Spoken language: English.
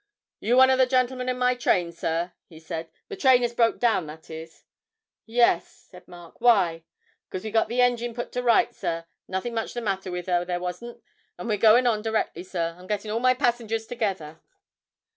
'You one of the gentlemen in my train, sir?' he said, 'the train as broke down, that is?' 'Yes,' said Mark; 'why?' ''Cause we've got the engine put to rights, sir; nothing much the matter with her, there wasn't, and we're goin' on directly, sir; I'm gettin' all my passengers together.'